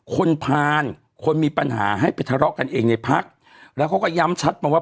คนผ่านคนมีปัญหาให้ไปทะเลาะกันเองในพักแล้วเขาก็ย้ำชัดมาว่า